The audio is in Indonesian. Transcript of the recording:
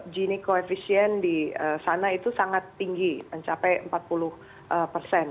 gini koefisien di sana itu sangat tinggi mencapai empat puluh persen